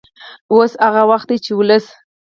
اوس هغه وخت دی چې ولس